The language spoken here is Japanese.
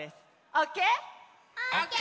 オッケー！